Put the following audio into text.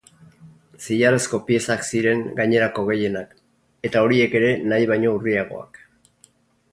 Zilarrezko piezak ziren gainerako gehienak, eta horiek ere nahi baino urriagoak.